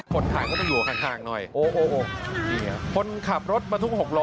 คนขายเข้าไปอยู่ข้างหน่อยโอ้โอ้คุณขับรถมาทุกคนหกล้อ